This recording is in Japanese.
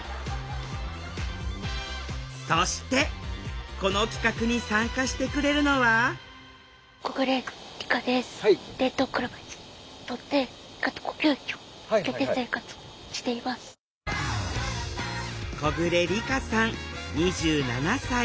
そしてこの企画に参加してくれるのは小暮理佳さん２７歳。